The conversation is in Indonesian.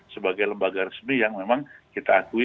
sebagai lembaga resmi yang memang kita akui